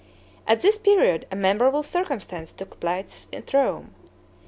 At this period a memorable circumstance took place at Rome.